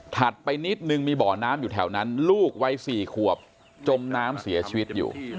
ไปนิดนึงมีบ่อน้ำอยู่แถวนั้นลูกวัย๔ขวบจมน้ำเสียชีวิตอยู่